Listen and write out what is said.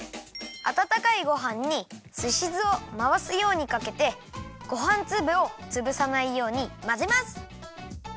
あたたかいごはんにすし酢をまわすようにかけてごはんつぶをつぶさないようにまぜます！